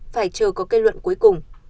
phải chờ có kết luận cuối cùng